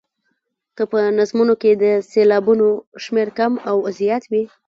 که په نظمونو کې د سېلابونو شمېر کم او زیات وي.